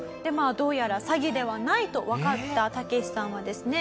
どうやら詐欺ではないとわかったタケシさんはですね